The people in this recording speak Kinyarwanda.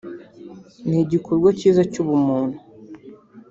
ni igikorwa cyiza cy’ubumuntu